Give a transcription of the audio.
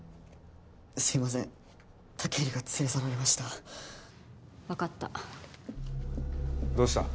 すいません武入が連れ去られました分かったどうした？